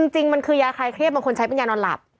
จริงมันคือยาคลายเครียดบางคนใช้เป็นยานอนหลับ